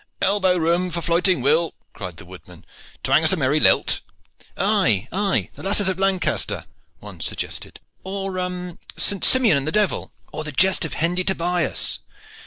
"Elbow room for Floyting Will!" cried the woodmen. "Twang us a merry lilt." "Aye, aye, the 'Lasses of Lancaster,'" one suggested. "Or 'St. Simeon and the Devil.'" "Or the 'Jest of Hendy Tobias.'"